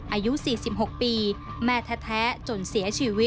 อายุ๔๖ปีแม่แท้จนเสียชีวิต